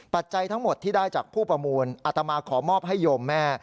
จัยทั้งหมดที่ได้จากผู้ประมูลอัตมาขอมอบให้โยมแม่